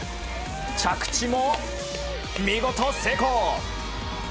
着地も見事、成功！